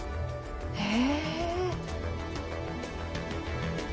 へえ。